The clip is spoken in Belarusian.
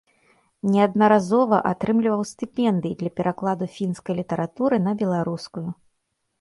Неаднаразова атрымліваў стыпендыі для перакладу фінскай літаратуры на беларускую.